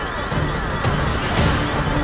yang bisa kita adakan